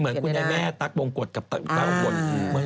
เหมือนคุณแย่ตั๊กโบงกฎกับตั๊กโบ่งกฎ